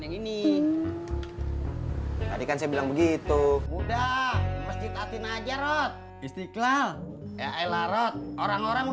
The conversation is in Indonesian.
hai ini tadi kan saya bilang begitu muda mesjid atina ajarot istiqlal ya elah rot orang orang